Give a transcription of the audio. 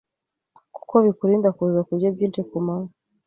kuko bikurinda kuza kurya byinshi ku manywa